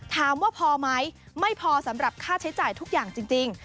ถามว่าพอไหมไม่พอสำหรับค่าใช้จ่ายทุกอย่างจริง